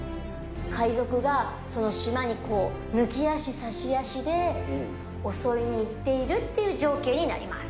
海賊がその島にこう、抜き足差し足で、遅いいっているっていう情景になります。